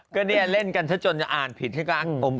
ก็เนี่ยเล่นกันซะจนจะอ่านผิดให้ก็อ้างอม